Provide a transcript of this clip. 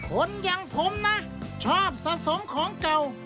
คนอย่างผมนะชอบสะสมของเก่า